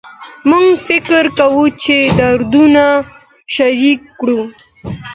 موږ فکر کوو چې دردونه شریک کړو